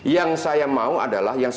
yang saya mau adalah